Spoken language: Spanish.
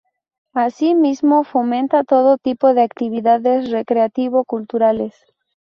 Asimismo fomenta todo tipo de actividades recreativo-culturales.